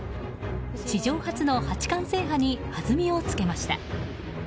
史上初の八冠制覇に弾みをつけました。